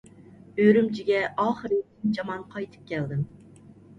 ئۈرۈمچىگە ئاخىرى تىنچ-ئامان قايتىپ كەلدىم.